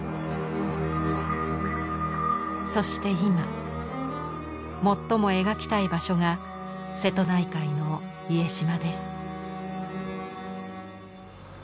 そして今最も描きたい場所が瀬戸内海の家島です。